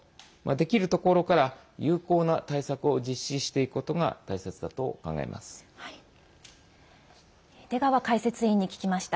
できるところから有効な対策を実施していくことが大切だと考えます。